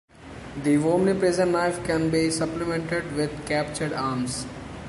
The omnipresent knife can be supplemented with captured arms.